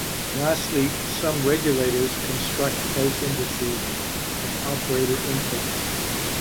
Lastly, some regulators construct price indices of operator inputs.